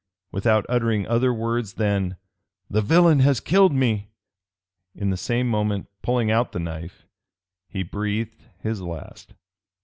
Without uttering other words than, "The villain has killed me," in the same moment pulling out the knife, he breathed his last.